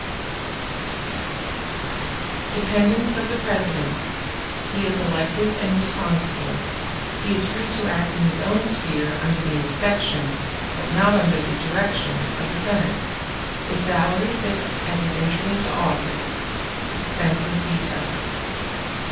] Dependence of the President—He is elective and responsible—He is free to act in his own sphere under the inspection, but not under the direction, of the Senate—His salary fixed at his entry into office—Suspensive veto.